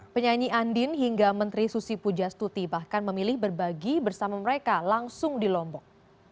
penyanyi andin hingga menteri susi pujastuti bahkan memilih berbagi bersama mereka langsung di lombok